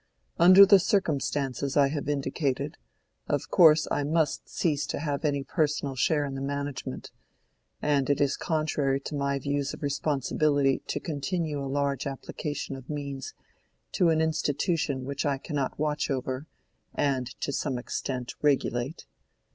"Under the circumstances I have indicated, of course I must cease to have any personal share in the management, and it is contrary to my views of responsibility to continue a large application of means to an institution which I cannot watch over and to some extent regulate.